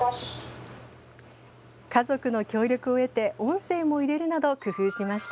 家族の協力を得て音声も入れるなど工夫しました。